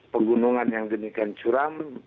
penggunungan yang demikian curam